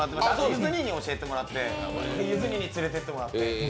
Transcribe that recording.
ゆず兄に教えてもらってゆず兄に連れてってもらって。